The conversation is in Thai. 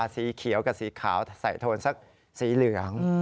สีเขียวกับสีขาวใส่โทนสักสีเหลือง